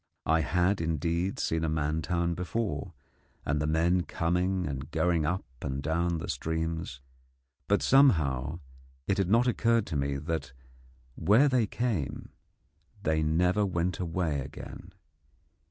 I had, indeed, seen a man town before, and the men coming and going up and down the streams, but, somehow, it had not occurred to me that where they came they never went away again.